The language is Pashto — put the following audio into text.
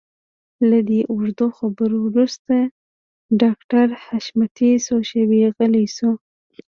له دې اوږدو خبرو وروسته ډاکټر حشمتي څو شېبې غلی شو.